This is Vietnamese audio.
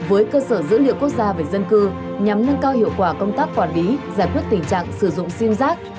với cơ sở dữ liệu quốc gia về dân cư nhằm nâng cao hiệu quả công tác quản lý giải quyết tình trạng sử dụng sim giác